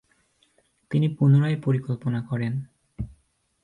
তিনি পুনরায় পরিকল্পনা করেন।